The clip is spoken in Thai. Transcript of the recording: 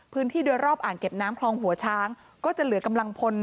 พื้นที่โดยรอบอ่างเก็บน้ำคลองหัวช้างก็จะเหลือกำลังพล